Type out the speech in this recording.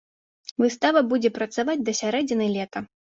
Выстава будзе працаваць да сярэдзіны лета.